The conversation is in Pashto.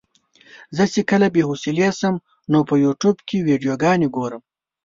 زه چې کله بې حوصلې شم نو په يوټيوب کې ويډيوګانې ګورم.